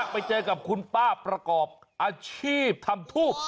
ไปเจอกับคุณป้าประกอบอาชีพทำทูบ